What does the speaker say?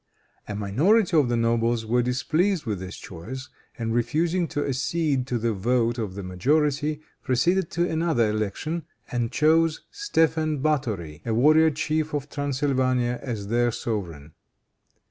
A minority of the nobles were displeased with this choice, and refusing to accede to the vote of the majority, proceeded to another election, and chose Stephen Bathori, a warrior chief of Transylvania, as their sovereign.